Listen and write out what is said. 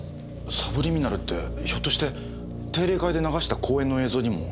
サブリミナルってひょっとして定例会で流した講演の映像にも何か入ってた？